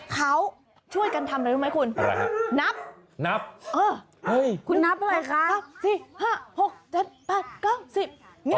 เขาช่วยกันทำอะไรรู้ไหมคุณนับเออคุณนับอะไรคะนับ๔๕๖๗๘๙๑๐